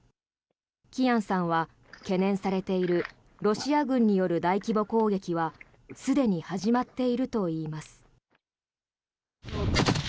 キヤンさんは懸念されているロシア軍による大規模攻撃はすでに始まっているといいます。